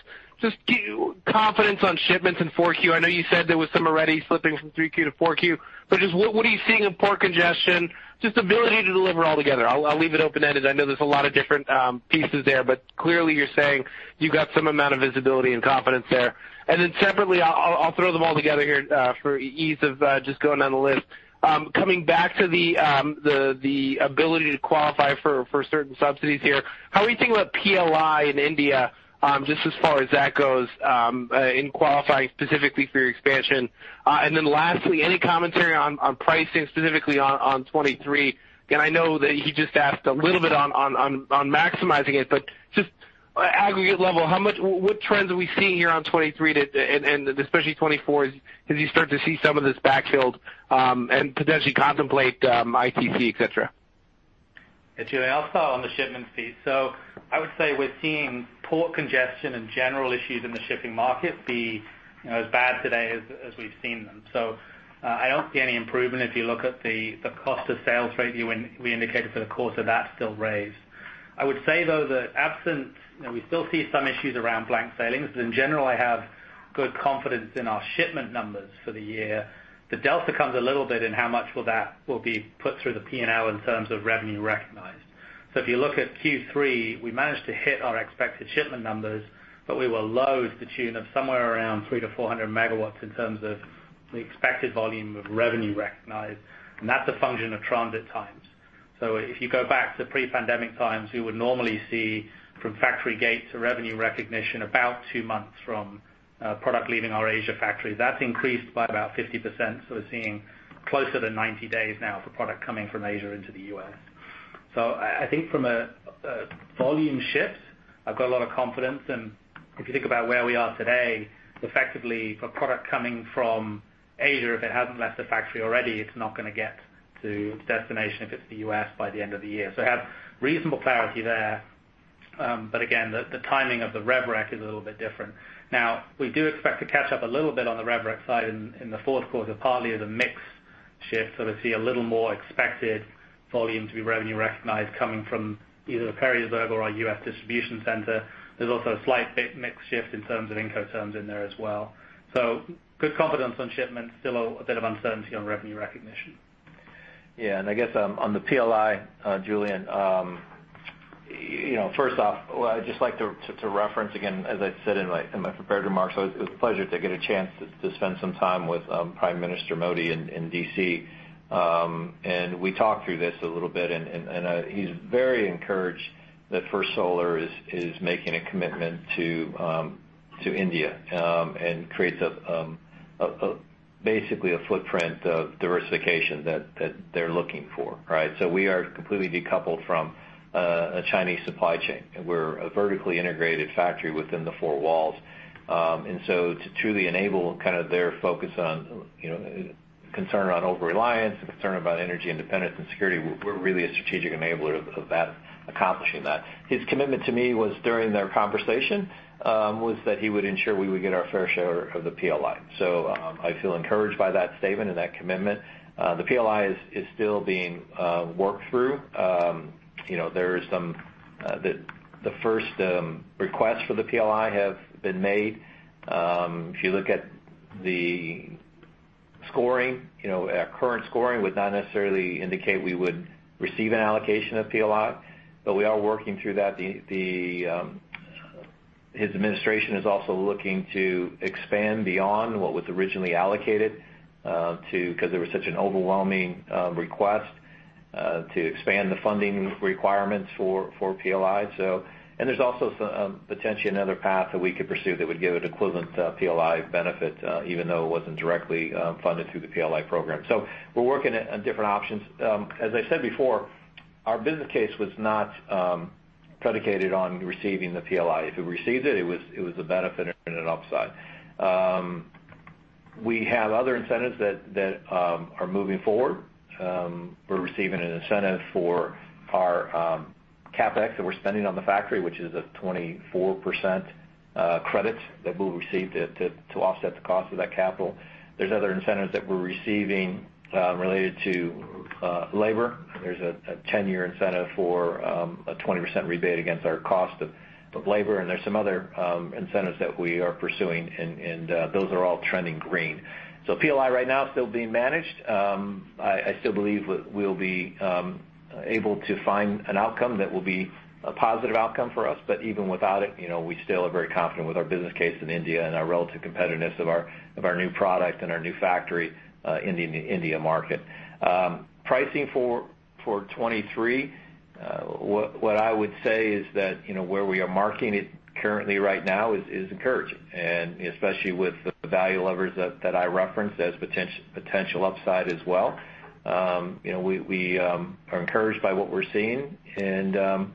confidence on shipments in 4Q. I know you said there was some already slipping from 3Q to 4Q, but just what are you seeing in port congestion, just ability to deliver all together? I'll leave it open-ended. I know there's a lot of different pieces there, but clearly, you're saying you've got some amount of visibility and confidence there. Then separately, I'll throw them all together here, for ease of just going down the list. Coming back to the ability to qualify for certain subsidies here, how are you thinking about PLI in India, just as far as that goes, in qualifying specifically for your expansion? Lastly, any commentary on pricing, specifically on 2023? I know that he just asked a little bit on maximizing it, but just aggregate level, what trends are we seeing here on 2023 to the end and especially 2024 as you start to see some of this backfilled and potentially contemplate ITC, et cetera. Hey, Julien. I'll start on the shipments piece. I would say we're seeing port congestion and general issues in the shipping market being, you know, as bad today as we've seen them. I don't see any improvement if you look at the sales rate we indicated for the quarter, that's still raised. I would say, though, that absent, you know, we still see some issues around blank sailings, but in general, I have good confidence in our shipment numbers for the year. The delta comes a little bit in how much of that will be put through the P&L in terms of revenue recognized. If you look at Q3, we managed to hit our expected shipment numbers, but we were low to the tune of somewhere around 300-400 megawatts in terms of the expected volume of revenue recognized, and that's a function of transit times. If you go back to pre-pandemic times, we would normally see from factory gate to revenue recognition about two months from product leaving our Asia factory. That's increased by about 50%. We're seeing closer to 90 days now for product coming from Asia into the U.S. I think from a volume shift, I've got a lot of confidence. If you think about where we are today, effectively for product coming from Asia, if it hasn't left the factory already, it's not gonna get to destination if it's the U.S. by the end of the year. I have reasonable clarity there. Again, the timing of the rev rec is a little bit different. Now, we do expect to catch up a little bit on the rev rec side in the fourth quarter, partly as a mix shift. We see a little more expected volume to be revenue recognized coming from either the Perrysburg or our U.S. distribution center. There's also a slight bit mix shift in terms of Incoterms in there as well. Good confidence on shipments, still a bit of uncertainty on revenue recognition. Yeah. I guess on the PLI, Julien, you know, first off, I'd just like to reference again, as I said in my prepared remarks. It was a pleasure to get a chance to spend some time with Prime Minister Modi in D.C. We talked through this a little bit, and he's very encouraged that First Solar is making a commitment to India, and creates basically a footprint of diversification that they're looking for, right? We are completely decoupled from a Chinese supply chain, and we're a vertically integrated factory within the four walls. To truly enable kind of their focus on, you know, concern on over-reliance, a concern about energy independence and security, we're really a strategic enabler of that accomplishing that. His commitment to me was during their conversation that he would ensure we would get our fair share of the PLI. I feel encouraged by that statement and that commitment. The PLI is still being worked through. You know, there is some, the first request for the PLI have been made. If you look at the scoring, you know, current scoring would not necessarily indicate we would receive an allocation of PLI, but we are working through that. His administration is also looking to expand beyond what was originally allocated because there was such an overwhelming request to expand the funding requirements for PLI, so. There's also some potentially another path that we could pursue that would give it equivalent PLI benefit even though it wasn't directly funded through the PLI program. We're working at different options. As I said before, our business case was not predicated on receiving the PLI. If we received it was a benefit and an upside. We have other incentives that are moving forward. We're receiving an incentive for our CapEx that we're spending on the factory, which is a 24% credit that we'll receive to offset the cost of that capital. There's other incentives that we're receiving, related to labor. There's a 10-year incentive for a 20% rebate against our cost of labor. There's some other incentives that we are pursuing and those are all trending green. PLI right now is still being managed. I still believe we'll be able to find an outcome that will be a positive outcome for us. Even without it, you know, we still are very confident with our business case in India and our relative competitiveness of our new product and our new factory in the India market. Pricing for 2023, what I would say is that, you know, where we are marking it currently right now is encouraging, and especially with the value levers that I referenced as potential upside as well. You know, we are encouraged by what we're seeing and,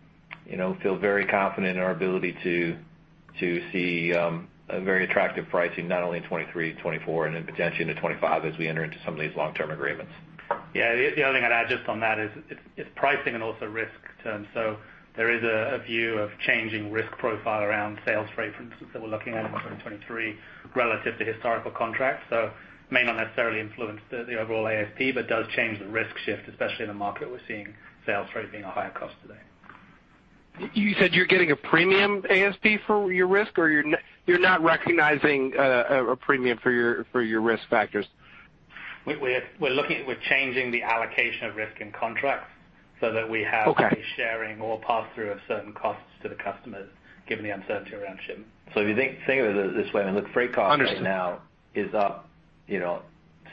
you know, feel very confident in our ability to see a very attractive pricing not only in 2023 and 2024, and then potentially into 2025 as we enter into some of these long-term agreements. Yeah. The only thing I'd add just on that is it's pricing and also risk terms. There is a view of changing risk profile around sales freight, for instance, that we're looking at in 2023 relative to historical contracts. It may not necessarily influence the overall ASP, but does change the risk shift, especially in the market we're seeing sales freight being a higher cost today. You said you're getting a premium ASP for your risk, or you're not recognizing a premium for your risk factors? We're changing the allocation of risk in contracts so that we have Okay. to be sharing or pass through of certain costs to the customers given the uncertainty around shipping. If you think of it this way. I mean, look, freight costs. Understood. Right now is up, you know,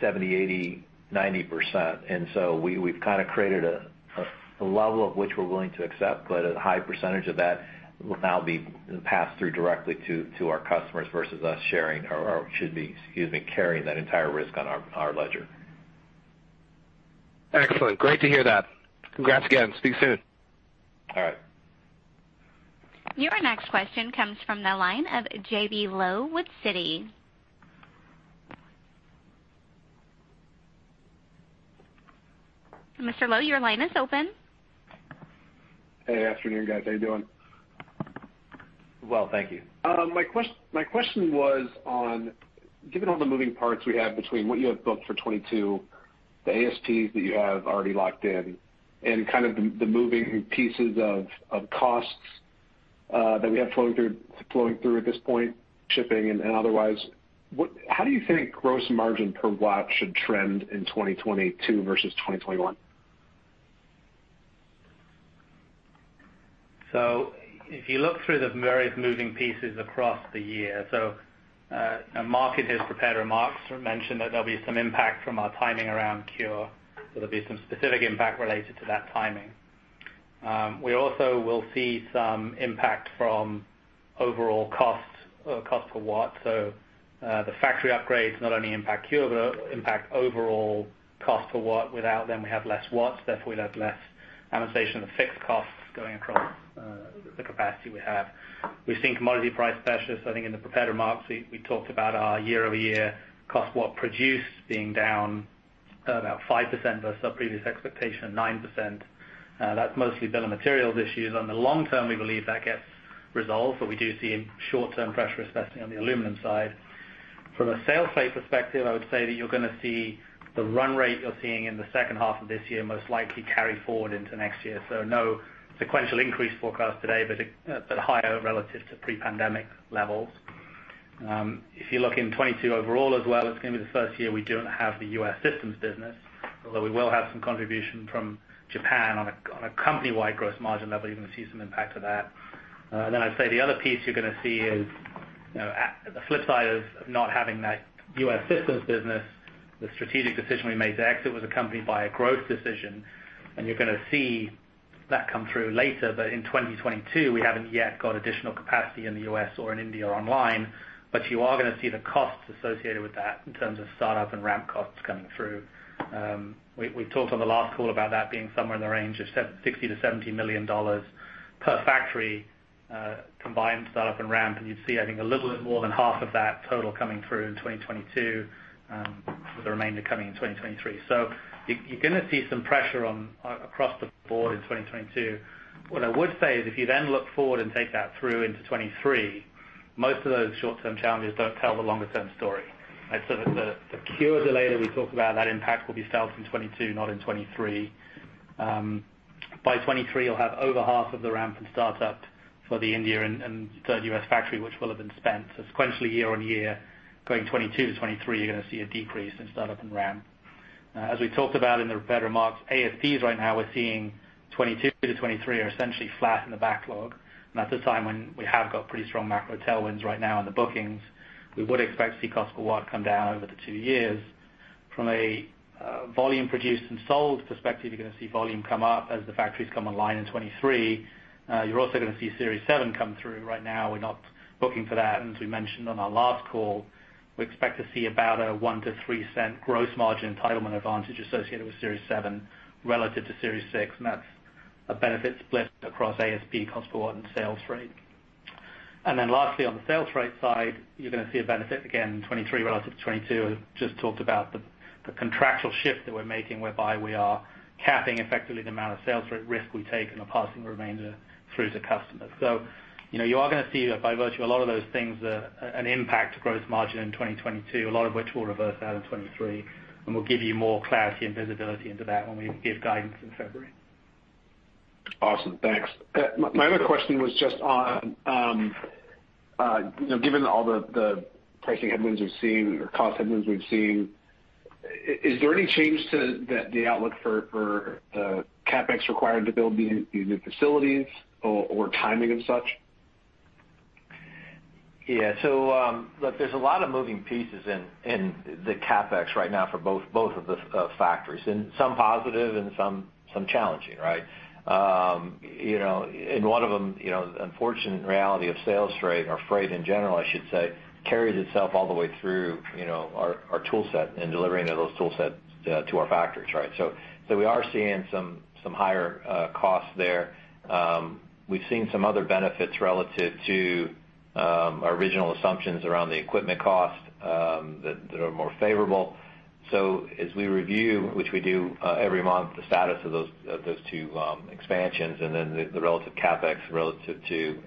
70, 80, 90%. We've kind of created a level of which we're willing to accept, but a high percentage of that will now be passed through directly to our customers versus us sharing or should be, excuse me, carrying that entire risk on our ledger. Excellent. Great to hear that. Congrats again. Speak soon. All right. Your next question comes from the line of J.B. Lowe with Citi. Mr. Lowe, your line is open. Good afternoon, guys. How are you doing? Well, thank you. My question was on, given all the moving parts we have between what you have booked for 2022, the ASPs that you have already locked in, and the moving pieces of costs that we have flowing through at this point, shipping and otherwise, how do you think gross margin per watt should trend in 2022 versus 2021? If you look through the various moving pieces across the year. Mark in his prepared remarks mentioned that there'll be some impact from our timing around CuRe. There'll be some specific impact related to that timing. We also will see some impact from overall cost per watt. The factory upgrades not only impact CuRe, but impact overall cost per watt. Without them, we have less watts, therefore we'd have less amortization of fixed costs going across the capacity we have. We see commodity price pressures. I think in the prepared remarks, we talked about our year-over-year cost per watt produced being down about 5% versus our previous expectation of 9%. That's mostly been a materials issue. On the long term, we believe that gets resolved, but we do see short-term pressure, especially on the aluminum side. From a sales pace perspective, I would say that you're gonna see the run rate you're seeing in the second half of this year most likely carry forward into next year. No sequential increase forecast today, but higher relative to pre-pandemic levels. If you look in 2022 overall as well, it's gonna be the first year we don't have the U.S. systems business, although we will have some contribution from Japan. On a company-wide gross margin level, you're gonna see some impact of that. I'd say the other piece you're gonna see is, you know, the flip side of not having that U.S. systems business, the strategic decision we made to exit was accompanied by a growth decision, and you're gonna see that come through later. In 2022, we haven't yet got additional capacity in the U.S. or in India online, but you are gonna see the costs associated with that in terms of startup and ramp costs coming through. We talked on the last call about that being somewhere in the range of $60 million-$70 million per factory, combined startup and ramp, and you'd see, I think, a little bit more than half of that total coming through in 2022, with the remainder coming in 2023. You're gonna see some pressure across the board in 2022. What I would say is if you then look forward and take that through into 2023, most of those short-term challenges don't tell the longer term story, right? The CuRe delay that we talked about, that impact will be felt in 2022, not in 2023. By 2023, you'll have over half of the ramp and startup for the India and third U.S. factory, which will have been spent sequentially year on year. Going 2022 to 2023, you're gonna see a decrease in startup and ramp. As we talked about in the prepared remarks, ASPs right now we're seeing 2022 to 2023 are essentially flat in the backlog. That's a time when we have got pretty strong macro tailwinds right now in the bookings. We would expect to see cost per watt come down over the two years. From a volume produced and sold perspective, you're gonna see volume come up as the factories come online in 2023. You're also gonna see Series seven come through. Right now, we're not booking for that. As we mentioned on our last call, we expect to see about a $0.01-$0.03 gross margin entitlement advantage associated with Series seven relative to Series six, and that's a benefit split across ASP, cost per watt, and sales rate. Lastly, on the sales rate side, you're gonna see a benefit again in 2023 relative to 2022. I just talked about the contractual shift that we're making, whereby we are capping effectively the amount of sales rate risk we take and are passing the remainder through to customers. You know, you are gonna see by virtue of a lot of those things an impact to gross margin in 2022, a lot of which will reverse out in 2023. We'll give you more clarity and visibility into that when we give guidance in February. Awesome. Thanks. My other question was just on, given all the pricing headwinds we've seen or cost headwinds we've seen, is there any change to the outlook for CapEx required to build the new facilities or timing of such? Yeah. Look, there's a lot of moving parts in the CapEx right now for both of the factories, and some positive and some challenging, right? You know, in one of them, you know, the unfortunate reality of sales rate or freight in general, I should say, carries itself all the way through, you know, our tool set and delivering of those tool sets to our factories, right? We are seeing some higher costs there. We've seen some other benefits relative to our original assumptions around the equipment costs that are more favorable. As we review, which we do every month, the status of those two expansions and then the relative CapEx relative to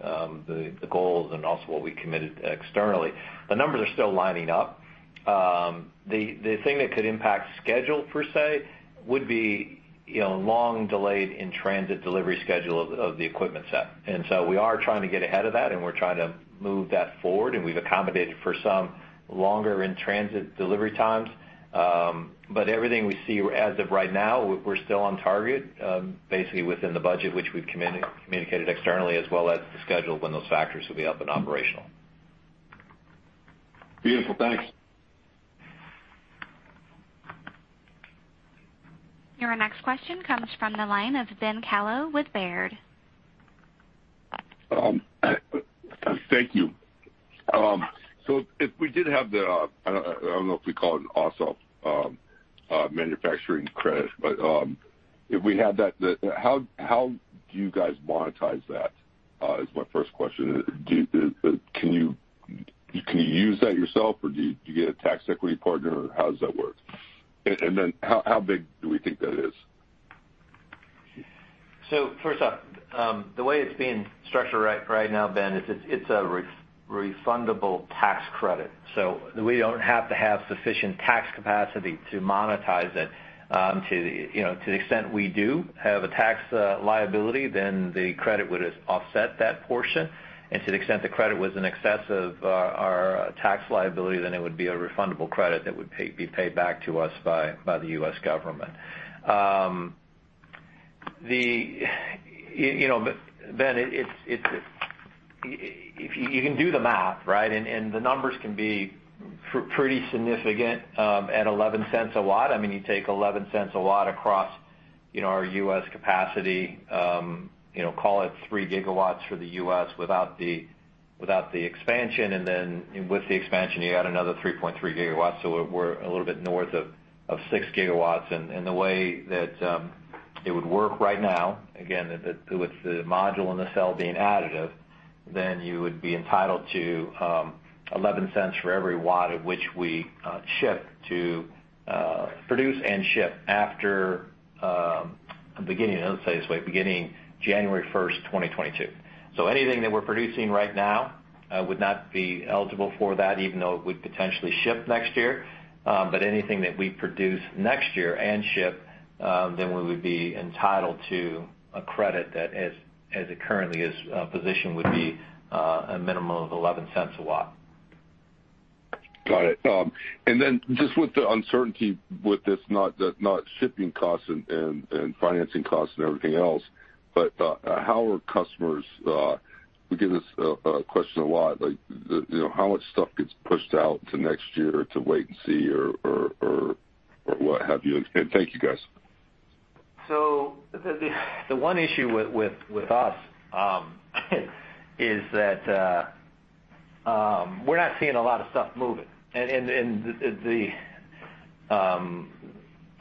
the goals and also what we committed externally, the numbers are still lining up. The thing that could impact schedule per se would be, you know, long delayed in-transit delivery schedule of the equipment set. We are trying to get ahead of that, and we're trying to move that forward, and we've accommodated for some longer in-transit delivery times. Everything we see as of right now, we're still on target, basically within the budget which we've communicated externally as well as the schedule when those factories will be up and operational. Beautiful. Thanks. Your next question comes from the line of Ben Kallo with Baird. Thank you. If we did have the manufacturing credit, but if we had that, how do you guys monetize that? Is my first question. Can you use that yourself, or do you get a tax equity partner, or how does that work? How big do we think that is? First off, the way it's being structured right now, Ben, is a refundable tax credit. We don't have to have sufficient tax capacity to monetize it. To the extent we do have a tax liability, you know, then the credit would offset that portion. To the extent the credit was in excess of our tax liability, then it would be a refundable credit that would be paid back to us by the U.S. government. You know, Ben, if you can do the math, right, and the numbers can be pretty significant at $0.11/watt. I mean, you take $0.11/watt across, you know, our U.S. capacity, you know, call it three gigawatts for the U.S. without the expansion. With the expansion, you add another 3.3 gigawatts. We're a little bit north of 6 gigawatts. The way that it would work right now, again, with the module and the cell being additive, then you would be entitled to $0.11 for every watt at which we produce and ship after beginning January 1st, 2022. Anything that we're producing right now would not be eligible for that, even though it would potentially ship next year. Anything that we produce next year and ship, then we would be entitled to a credit that as it currently is positioned would be a minimum of $0.11 a watt. Got it. Just with the uncertainty, not the shipping costs and financing costs and everything else, but how are customers? We get this question a lot, like, you know, how much stuff gets pushed out to next year to wait and see or what have you? Thank you, guys. The one issue with us is that we're not seeing a lot of stuff moving.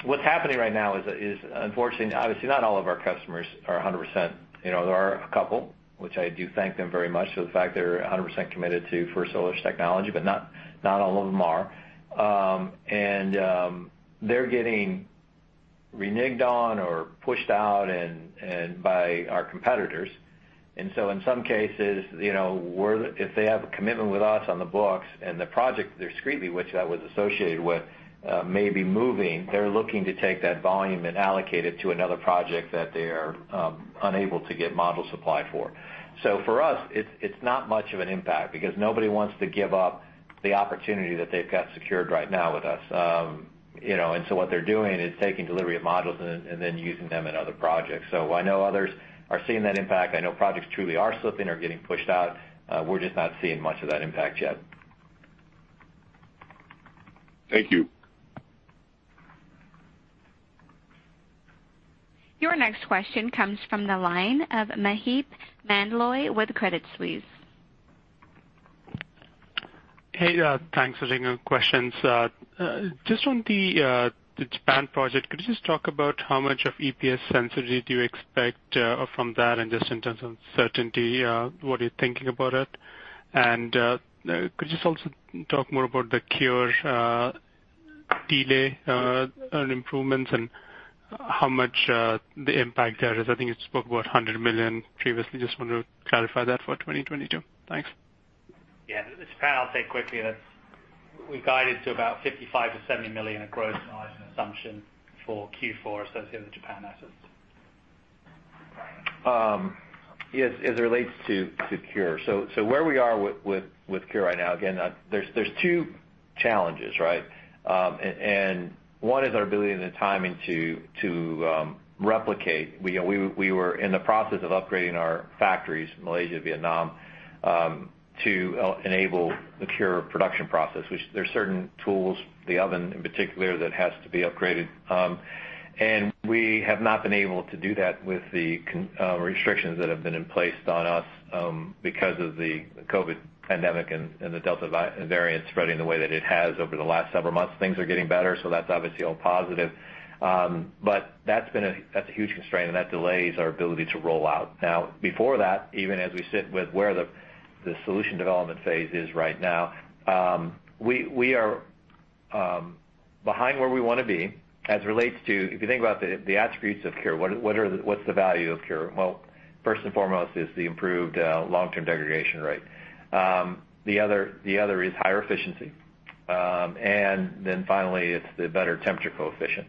What's happening right now is unfortunately, obviously, not all of our customers are 100%. You know, there are a couple, which I do thank them very much for the fact they're 100% committed to First Solar's technology, but not all of them are. They're getting reneged on or pushed out and by our competitors. In some cases, you know, if they have a commitment with us on the books and the project that this was associated with may be moving, they're looking to take that volume and allocate it to another project that they are unable to get module supply for. For us, it's not much of an impact because nobody wants to give up the opportunity that they've got secured right now with us. You know, what they're doing is taking delivery of modules and then using them in other projects. I know others are seeing that impact. I know projects truly are slipping or getting pushed out. We're just not seeing much of that impact yet. Thank you. Your next question comes from the line of Maheep Mandloi with Credit Suisse. Hey, thanks for taking questions. Just on the Japan project, could you just talk about how much of EPS sensitivity do you expect from that, and just in terms of certainty, what are you thinking about it? Could you also talk more about the CuRe delay and improvements and how much the impact there is? I think you spoke about $100 million previously. Just want to clarify that for 2022. Thanks. Yeah. Japan, I'll say quickly that we guided to about $55 million-$70 million in gross margin assumption for Q4 associated with Japan assets. Yes, as it relates to CuRe. Where we are with CuRe right now, again, there's two challenges, right? One is our ability and the timing to replicate. We were in the process of upgrading our factories in Malaysia, Vietnam to enable the CuRe production process, which there are certain tools, the oven in particular, that has to be upgraded. We have not been able to do that with the restrictions that have been in place on us because of the COVID pandemic and the Delta variant spreading the way that it has over the last several months. Things are getting better, so that's obviously all positive. That's a huge constraint, and that delays our ability to roll out. Now, before that, even as we sit with where the solution development phase is right now, we are behind where we wanna be as it relates to if you think about the attributes of CuRe. What are the attributes of CuRe? What's the value of CuRe? Well, first and foremost is the improved long-term degradation rate. The other is higher efficiency. And then finally, it's the better temperature coefficient.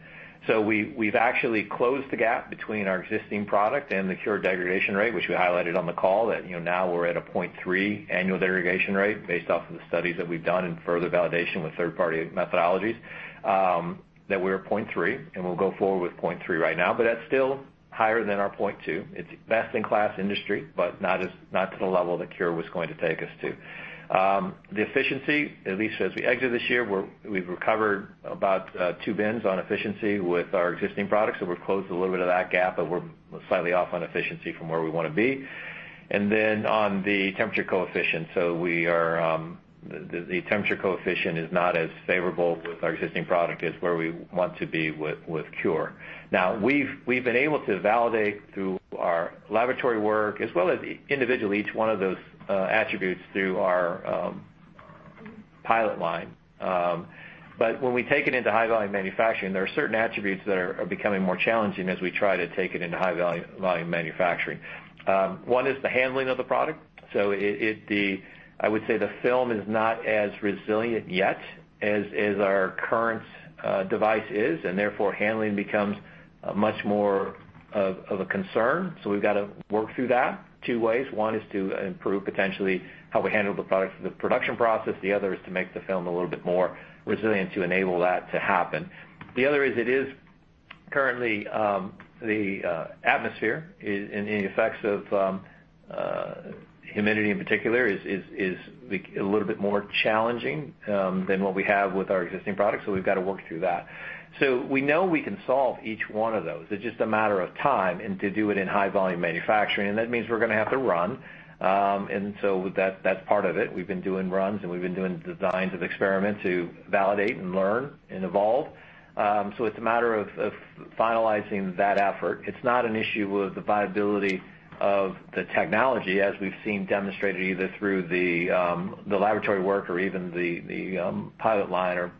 We've actually closed the gap between our existing product and the CuRe degradation rate, which we highlighted on the call. You know, now we're at a 0.3% annual degradation rate based off of the studies that we've done and further validation with third-party methodologies, that we're at 0.3%, and we'll go forward with 0.3% right now. That's still higher than our 0.2%. It's best in class industry, but not to the level that CuRe was going to take us to. The efficiency, at least as we exit this year, we've recovered about two bins on efficiency with our existing products. We've closed a little bit of that gap, but we're slightly off on efficiency from where we wanna be. Then on the temperature coefficient. We are, the temperature coefficient is not as favorable with our existing product as where we want to be with CuRe. Now, we've been able to validate through our laboratory work as well as individually each one of those attributes through our pilot line. But when we take it into high-volume manufacturing, there are certain attributes that are becoming more challenging as we try to take it into high-volume manufacturing. One is the handling of the product. I would say the film is not as resilient yet as our current device is, and therefore, handling becomes much more of a concern. We've got to work through that two ways. One is to improve potentially how we handle the products through the production process. The other is to make the film a little bit more resilient to enable that to happen. The other is it is currently the atmosphere and the effects of humidity in particular is a little bit more challenging than what we have with our existing products, so we've got to work through that. We know we can solve each one of those. It's just a matter of time and to do it in high-volume manufacturing, and that means we're gonna have to run. That's part of it. We've been doing runs, and we've been doing designs of experiments to validate and learn and evolve. It's a matter of finalizing that effort. It's not an issue with the viability of the technology as we've seen demonstrated either through the laboratory work or even the pilot line or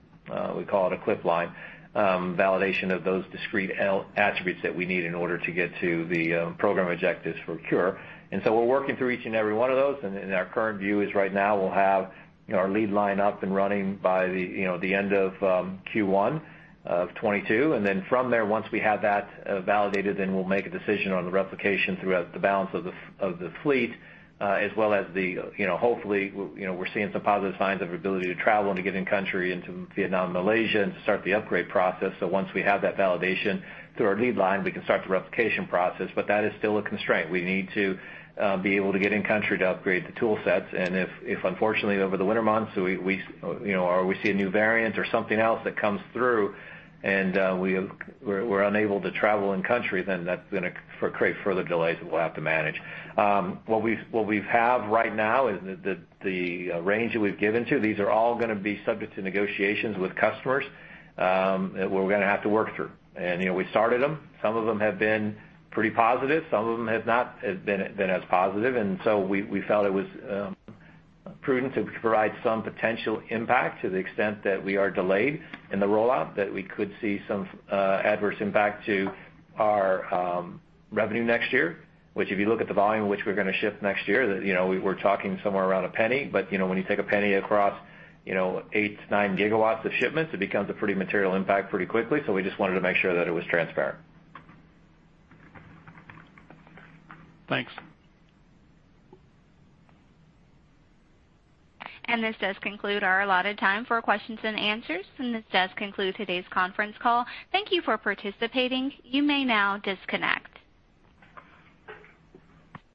we call it a CLIP line validation of those discrete attributes that we need in order to get to the program objectives for CuRe. We're working through each and every one of those, and our current view is right now we'll have, you know, our lead line up and running by the, you know, the end of Q1 of 2022. Then from there, once we have that validated, then we'll make a decision on the replication throughout the balance of the fleet, as well as the, you know, hopefully, you know, we're seeing some positive signs of ability to travel and to get in country into Vietnam and Malaysia and start the upgrade process. Once we have that validation through our lead line, we can start the replication process. That is still a constraint. We need to be able to get in country to upgrade the tool sets. If unfortunately, over the winter months, you know, or we see a new variant or something else that comes through and, we're unable to travel in country, then that's gonna create further delays that we'll have to manage. What we have right now is the range that we've given to. These are all gonna be subject to negotiations with customers that we're gonna have to work through. You know, we started them. Some of them have been pretty positive, some of them have not been as positive. We felt it was prudent to provide some potential impact to the extent that we are delayed in the rollout, that we could see some adverse impact to our revenue next year, which if you look at the volume which we're gonna ship next year, that, you know, we're talking somewhere around $0.01. You know, when you take $0.01 across eight to nine gigawatts of shipments, it becomes a pretty material impact pretty quickly. We just wanted to make sure that it was transparent. Thanks. This does conclude our allotted time for questions and answers, and this does conclude today's conference call. Thank you for participating. You may now disconnect.